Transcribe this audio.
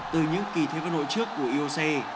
từ những kỳ thế vận hội trước của ioc